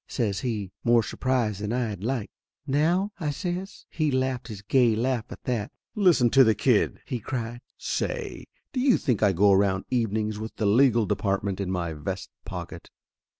says he, more sur prised than I liked. "Now?" I says. He laughed his gay laugh at that. "Listen to the kid !" he cried. "Say do you think I go around evenings with the legal department in my vest pocket?"